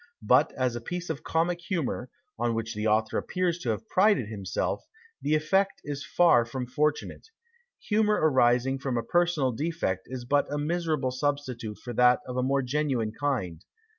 But as a piece of comic humour, on which the author appears to have prided himself, the effect is far from fortunate. Humour arising from a personal defect is but a miserable substitute for that of a more genuine kind.